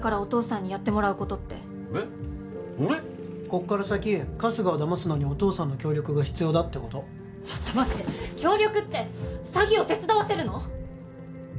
こっから先春日をだますのにお父さんの協力が必要だってことちょっと待って協力って詐欺を手伝わせるの？